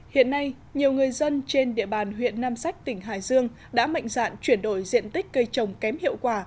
hiện nay nhiều người dân trên địa bàn huyện nam sách tỉnh hải dương đã mạnh dạn chuyển đổi diện tích cây trồng kém hiệu quả